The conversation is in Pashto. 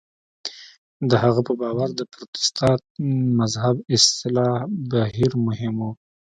د هغه په باور د پروتستان مذهب اصلاح بهیر مهم و.